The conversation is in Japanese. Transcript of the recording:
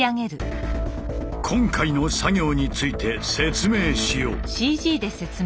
今回の作業について説明しよう。